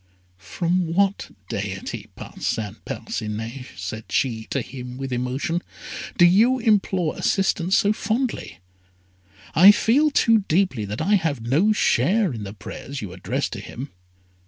"From what deity, Parcin Parcinet," said she to him with emotion, "do you implore assistance so fondly? I feel too deeply that I have no share in the prayers you address to him."